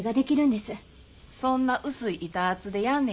そんな薄い板厚でやんね